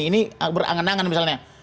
ini berangan angan misalnya